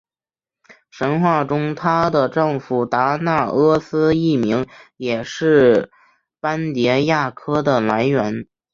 神话中她的丈夫达那俄斯一名也是斑蝶亚科的来源。